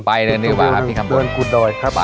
ไปเดือนกุดดอยครับ